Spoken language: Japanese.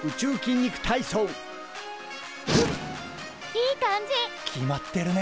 いい感じ！決まってるね。